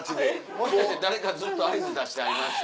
もしかして誰かずっと合図出してはりました？